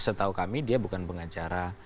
setahu kami dia bukan pengacara